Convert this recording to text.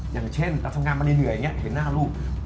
อย่างเช่นทำงานมาเหนื่อยอย่างนี้เห็นหน้าลูก